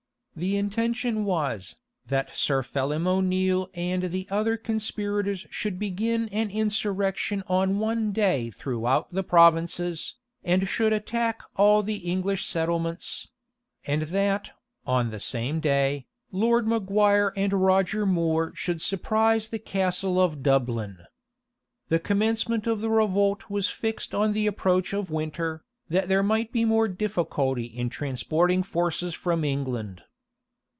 The intention was, that Sir Phelim O'Neale and the other conspirators should begin an insurrection on one day throughout the provinces, and should attack all the English settlements; and that, on the same day, Lord Maguire and Roger More should surprise the Castle of Dublin. The commencement of the revolt was fixed on the approach of winter, that there might be more difficulty in transporting forces from England.